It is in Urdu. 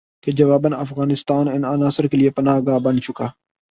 کہ جوابا افغانستان ان عناصر کے لیے پناہ گاہ بن چکا